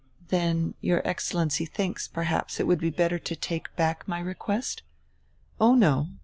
"Then your Excellency thinks, perhaps, it would be bet ter to take back my request!" "Oh, no.